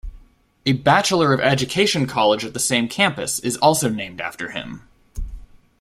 A Bachelor of Education college at the same campus, is also named after him.